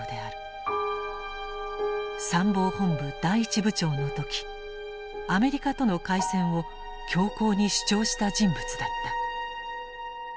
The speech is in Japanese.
参謀本部第一部長の時アメリカとの開戦を強硬に主張した人物だった。